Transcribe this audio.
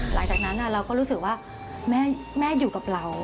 หลังจากนั้นเราก็รู้สึกว่าแม่อยู่กับเรา